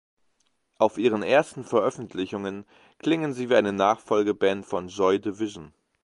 Auf ihren ersten Veröffentlichungen klingen sie wie eine Nachfolgeband von Joy Division.